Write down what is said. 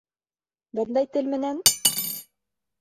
Бындай тел менән!..